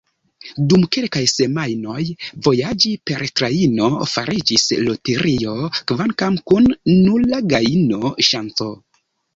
Dum kelkaj semajnoj vojaĝi per trajno fariĝis loterio – kvankam kun nula gajno-ŝanco.